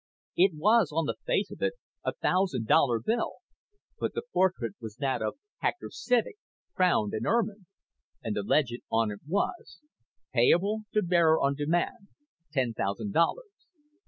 It was, on the face of it, a ten thousand dollar bill. But the portrait was that of Hector Civek, crowned and ermined. And the legend on it was: "_Payable to Bearer on Demand, Ten Thousand Dollars.